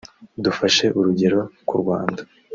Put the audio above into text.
Dufashe urugero ku Rwanda